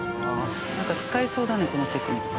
なんか使えそうだねこのテクニック。